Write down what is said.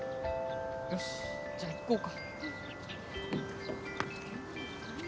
よしじゃ行こうか。